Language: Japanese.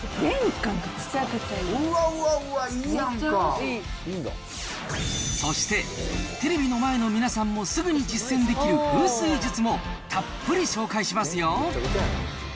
うわうわうわ、そして、テレビの前の皆さんもすぐに実践できる風水術もたっぷり紹介しますよ。